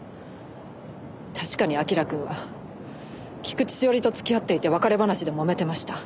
確かに明君は菊地詩織と付き合っていて別れ話で揉めてました。